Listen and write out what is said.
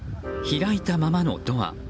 開いたままのドア。